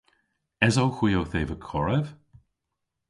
Esowgh hwi owth eva korev?